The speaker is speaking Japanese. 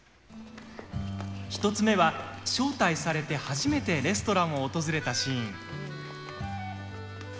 １つ目は招待されて初めてレストランを訪れたシーン。